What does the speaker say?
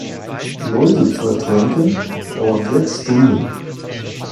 Läuse zu ertränken, dauert sechs Stunden.